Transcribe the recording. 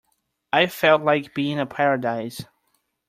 I felt like being in paradise.